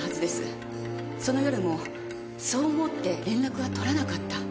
その夜もそう思って連絡は取らなかった。